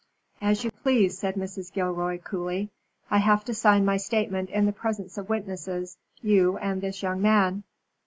"As you please," said Mrs. Gilroy, coolly. "I have to sign my statement in the presence of witnesses, you and this young man."